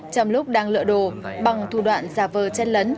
trong lúc đang lỡ đồ bằng thủ đoạn giả vờ chen lấn